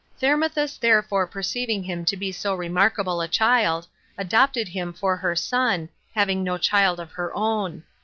7. Thermuthis therefore perceiving him to be so remarkable a child, adopted him for her son, having no child of her own.